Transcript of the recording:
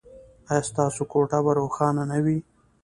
ایا ستاسو کوټه به روښانه نه وي؟